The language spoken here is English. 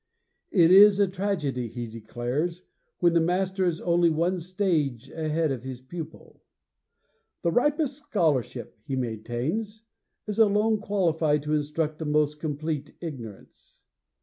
It is a tragedy, he declares, when the master is only one stage ahead of his pupil. 'The ripest scholarship,' he maintains, 'is alone qualified to instruct the most complete ignorance.'